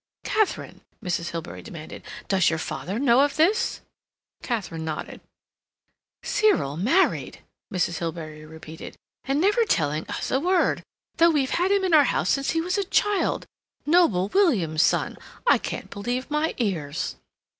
"Katharine," Mrs. Hilbery demanded, "does your father know of this?" Katharine nodded. "Cyril married!" Mrs. Hilbery repeated. "And never telling us a word, though we've had him in our house since he was a child—noble William's son! I can't believe my ears!"